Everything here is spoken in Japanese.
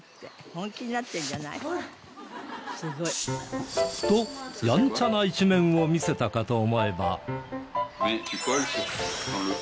本気になってるんじゃない？」とやんちゃな一面を見せたかと思えば。